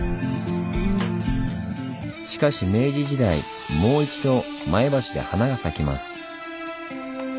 しかし明治時代もう一度前橋で華が咲きます。